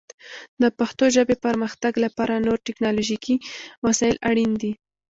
د پښتو ژبې پرمختګ لپاره نور ټکنالوژیکي وسایل اړین دي.